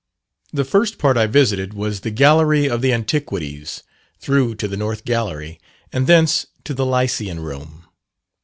The first part I visited was the Gallery of Antiquities, through to the north gallery, and thence to the Lycian Room.